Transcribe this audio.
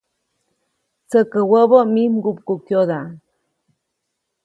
Tsäkä wäbä mij mgupkukyoda.